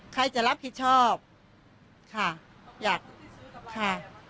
ใครจะรับผิดชอบค่ะอยากค่ะ